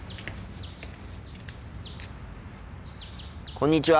こんにちは。